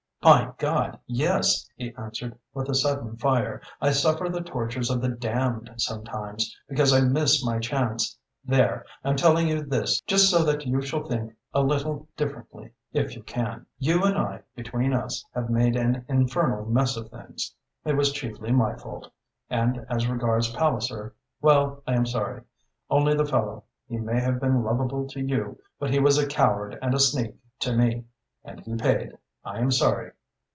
"My God, yes!" he answered, with a sudden fire. "I suffer the tortures of the damned sometimes because I missed my chance! There! I'm telling you this just so that you shall think a little differently, if you can. You and I between us have made an infernal mess of things. It was chiefly my fault. And as regards Palliser well, I am sorry. Only the fellow he may have been lovable to you, but he was a coward and a sneak to me and he paid. I am sorry."